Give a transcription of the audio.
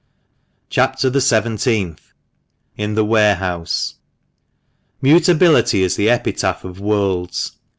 CHAPTER THE SEVENTEENTH. IN THE WAREHOUSE. UTABILITY is the epitaph of worlds.